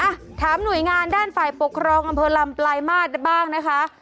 อ่ะถามหน่วยงานด้านฝ่ายปกครองอำเภอลำปลายมาตรบ้างนะคะ